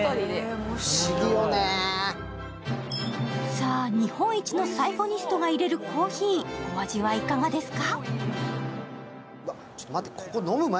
さあ、日本一のサイフォニストがいれるコーヒー、お味はいかがですか？